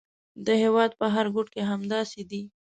د هېواد په هر ګوټ کې همداسې دي.